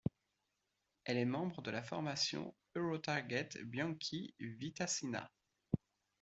Elle est membre de la formation Eurotarget-Bianchi-Vitasana.